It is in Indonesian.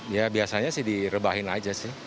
ya biasanya sih direbahin aja sih